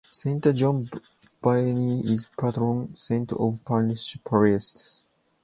Saint John Vianney is patron saint of parish priests.